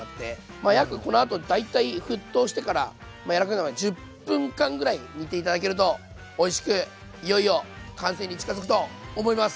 まあこのあと大体沸騰してから柔らかくなるまで１０分間ぐらい煮て頂けるとおいしくいよいよ完成に近づくと思います。